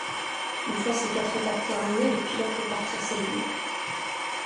Une fois ces quatre étapes terminées, le pilote peut partir s'aligner.